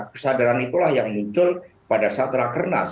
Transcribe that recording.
kesadaran itulah yang muncul pada saat rakernas